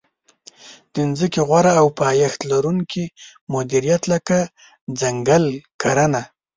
د ځمکې غوره او پایښت لرونکې مدیریت لکه ځنګل کرنه.